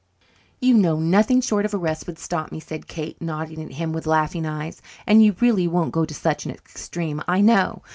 "You know nothing short of arrest would stop me," said Kate, nodding at him with laughing eyes, "and you really won't go to such an extreme, I know.